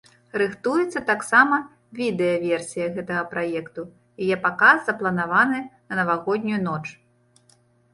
Рыхтуецца таксама відэаверсія гэтага праекту, яе паказ запланаваны на навагоднюю ноч.